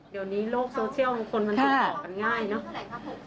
เดี๋ยวนี้โลกโซเชียลคนมันถึงบอกกันง่ายเนอะ